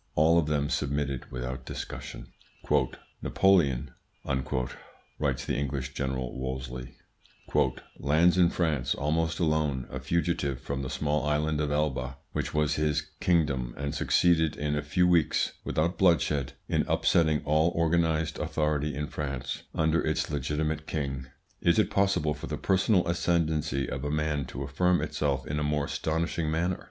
All of them submitted without discussion. "Napoleon," writes the English General Wolseley, "lands in France almost alone, a fugitive from the small island of Elba which was his kingdom, and succeeded in a few weeks, without bloodshed, in upsetting all organised authority in France under its legitimate king; is it possible for the personal ascendency of a man to affirm itself in a more astonishing manner?